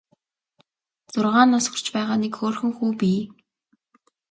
Зургаан нас хүрч байгаа нэг хөөрхөн хүү бий.